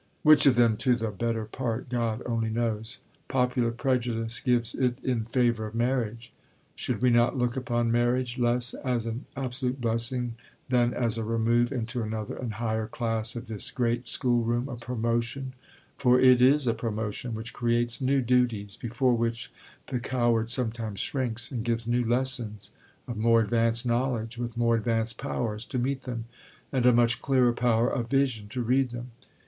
Which of them to the better part, God only knows. Popular prejudice gives it in favour of marriage. Should we not look upon marriage, less as an absolute blessing, than as a remove into another and higher class of this great school room a promotion for it is a promotion, which creates new duties, before which the coward sometimes shrinks, and gives new lessons, of more advanced knowledge, with more advanced powers to meet them, and a much clearer power of vision to read them.